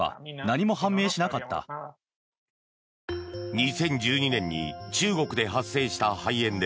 ２０１２年に中国で発生した肺炎で